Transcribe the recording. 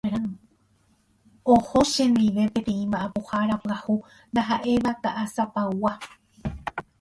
Oho chendive peteĩ mba'apohára pyahu ndaha'éiva Ka'asapaygua.